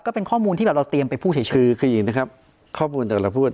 ก็เป็นข้อมูลที่แบบเราเตรียมไปพูดเพียงกับข้อมูลแต่เราพูด